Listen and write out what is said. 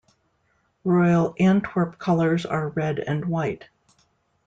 Royal Antwerp colours are red and white.